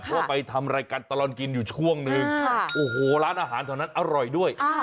เพราะว่าไปทำรายการตลอดกินอยู่ช่วงนึงโอ้โหร้านอาหารเท่านั้นอร่อยด้วย